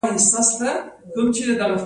تاسو مې په یادونو کې ښخ یئ.